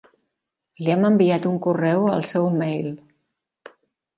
Li hem enviat un correu al seu mail.